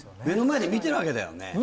目の前で見てるわけだよね